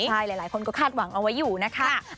ใช่หลายคนก็คาดหวังเอาไว้อยู่นะคะ